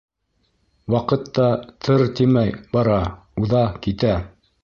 -Ваҡыт та «ты-ыр» тимәй, бара, уҙа, китә.